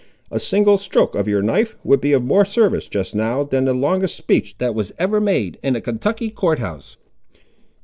A single stroke of your knife would be of more service, just now, than the longest speech that was ever made in a Kentucky court house."